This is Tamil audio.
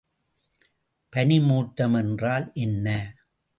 பனிமூட்டம் என்றால் என்ன?